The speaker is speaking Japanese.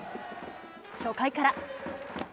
初回から。